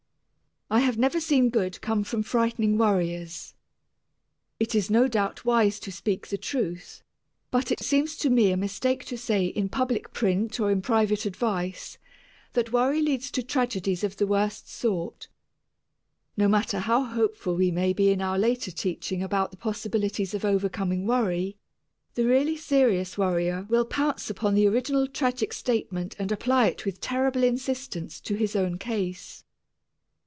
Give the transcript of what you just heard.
I have never seen good come from frightening worriers. It is no doubt wise to speak the truth, but it seems to me a mistake to say in public print or in private advice that worry leads to tragedies of the worst sort. No matter how hopeful we may be in our later teaching about the possibilities of overcoming worry, the really serious worrier will pounce upon the original tragic statement and apply it with terrible insistence to his own case.